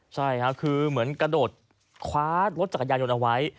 ใช่ค่ะคือเหมือนกระโดดคว้ารถจักรยานยนต์เอาไว้